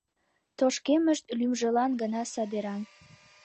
Тошкемышт лӱмжылан гына садеран.